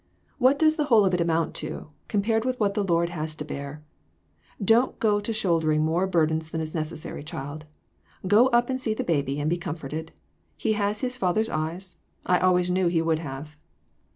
What does the whole of it amount to, compared with what the Lord had to bear? Don't go to shouldering more burdens than is necessary, child ; go up and see the baby and be comforted. He has his father's eyes; I always knew he would have."